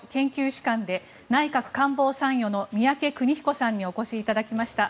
主幹で内閣官房参与の宮家邦彦さんにお越しいただきました。